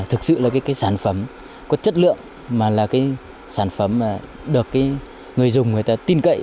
thực sự là cái sản phẩm có chất lượng mà là cái sản phẩm mà được người dùng người ta tin cậy